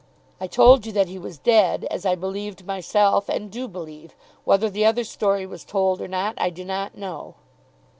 I told you that he was dead, as I believed myself, and do believe. Whether the other story was told or not I do not know."